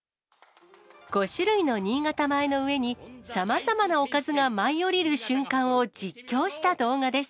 ５種類の新潟米の上に、さまざまなおかずが舞い降りる瞬間を実況した動画です。